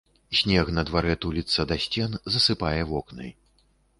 Снег на дварэ туліцца да сцен, засыпае вокны.